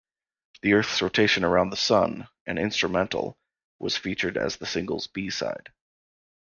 "The Earth's Rotation Around the Sun", an instrumental, was featured as the single's B-side.